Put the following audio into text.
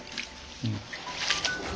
うん。